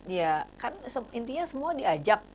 ya kan intinya semua diajak